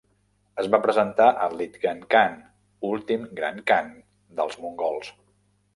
Es va presentar a Ligdan Khan, últim gran khan dels mongols.